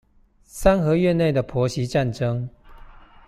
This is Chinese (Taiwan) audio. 三合院內的婆媳戰爭